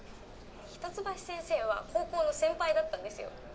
「一橋先生は高校の先輩だったんですよ」